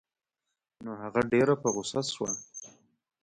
نو هغه ډېره په غوسه شوه.